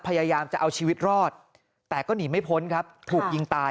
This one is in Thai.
พยายามจะเอาชีวิตรอดแต่ก็หนีไม่พ้นครับถูกยิงตาย